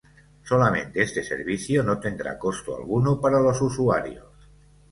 Solamente este servicio no tendrá costo alguno para los usuarios.